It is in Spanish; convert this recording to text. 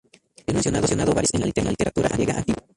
Es mencionado varias veces en la literatura griega antigua.